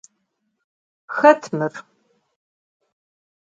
Xet mır?